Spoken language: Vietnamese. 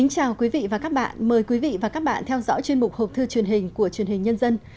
chào mừng quý vị đến với bộ phim học thư truyền hình của truyền hình nhân dân